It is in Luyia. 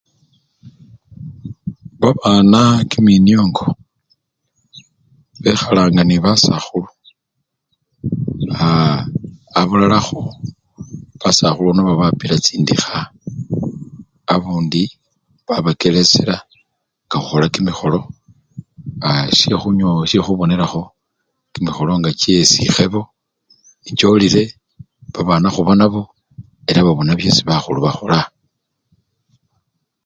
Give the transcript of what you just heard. Babana kiminiongo bekhalanga nebasakhulu, abulalakho basakhulu nebabapila chindikha, abundi wabakelesyela nga khukhola kimikholo aa! syekhunow! syekhubonelakho kimikholo nga kyesikhebo nekyolile, babana khuba nabo ela babona byesi bakhulu bakhola.